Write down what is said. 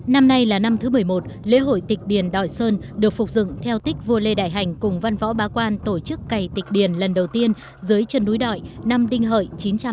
năm nay là năm thứ một mươi một lễ hội tịch điền đội sơn được phục dựng theo tích vua lê đại hành cùng văn võ bá quan tổ chức cày tịch điền lần đầu tiên dưới chân núi đội năm đinh hợi chín trăm tám mươi